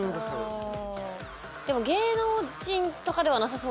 でも芸能人とかではなさそうですよね。